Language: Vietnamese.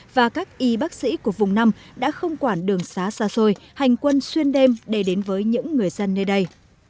và các y bác sĩ của vùng năm đã không quản đường xá xa xôi hành quân xuyên đêm để đến với những người dân nơi đây